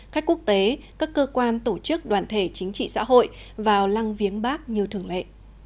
khách quốc tế các cơ quan tổ chức đoàn thể chính trị xã hội vào lăng viếng bác như thường lệ